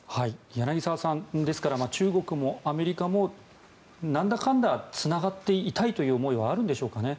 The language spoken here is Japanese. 柳澤さん、ですから中国もアメリカもなんだかんだつながっていたいという思いはあるんでしょうかね。